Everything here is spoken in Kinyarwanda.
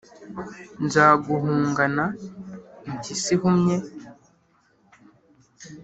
nzaguhungana impyisi ihumye